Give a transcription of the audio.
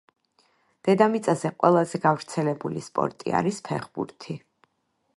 დედამიწაზე ყველაზე გავრცელებული სპორტი არის ფეხბურთი.